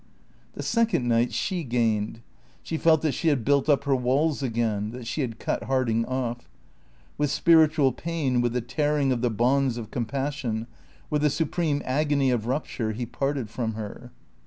The second night she gained. She felt that she had built up her walls again; that she had cut Harding off. With spiritual pain, with the tearing of the bonds of compassion, with a supreme agony of rupture, he parted from her.